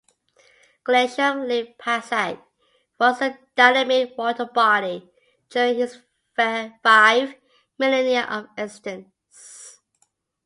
Glacial Lake Passaic was a dynamic water body during its five millennia of existence.